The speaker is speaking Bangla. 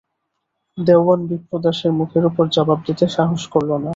দেওয়ান বিপ্রদাসের মুখের উপর জবাব দিতে সাহস করলে না।